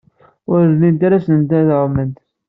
Ur llint ara ssnen ad ɛument.